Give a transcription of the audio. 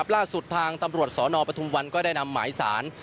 ล่าสุดทางตำรวจสนปทุมวันก็ได้นำหมายสาร